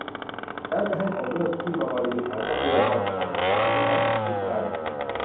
แล้วจะให้ผมเลือกพี่มาบริหารทรัพยากรของนักศึกษานี่นะ จิตใจ